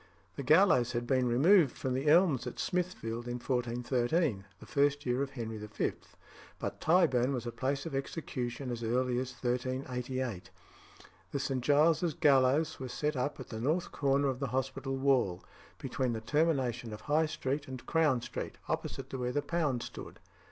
The gallows had been removed from the Elms at Smithfield in 1413, the first year of Henry V.; but Tyburn was a place of execution as early as 1388. The St. Giles's gallows was set up at the north corner of the hospital wall, between the termination of High Street and Crown Street, opposite to where the Pound stood.